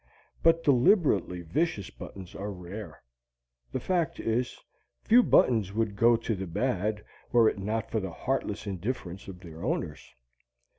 But deliberately vicious buttons are rare. The fact is, few buttons would go to the bad, were it not for the heartless indifference of their owners.